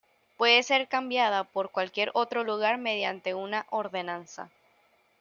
Puede ser cambiada por cualquier otro lugar mediante una ordenanza.